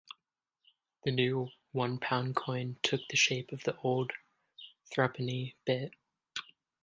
The new one pound coin took the shape of the old thruppenny bit.